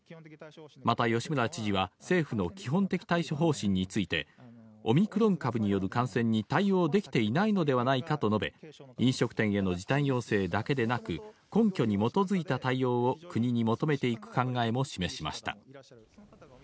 また吉村知事は、政府の基本的対処方針について、オミクロン株による感染に対応できていないのではないかと述べ、飲食店への時短要請だけでなく、根拠に基づいた対応を国に求めていく考えも示しました。